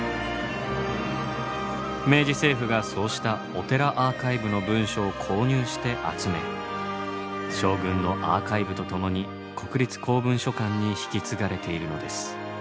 明治政府がそうしたお寺アーカイブの文書を購入して集め将軍のアーカイブとともに国立公文書館に引き継がれているのです。